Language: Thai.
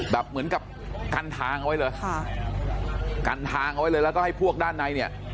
เหมือนกับกันทางเอาไว้เลยค่ะกันทางเอาไว้เลยแล้วก็ให้พวกด้านในเนี่ย